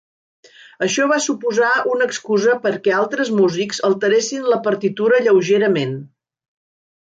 Això va suposar una excusa perquè altres músics alteressin la partitura lleugerament.